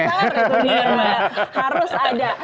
nastar itu harus ada